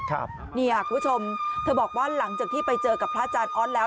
คุณผู้ชมเธอบอกว่าหลังจากที่ไปเจอกับพระอาจารย์ออสแล้ว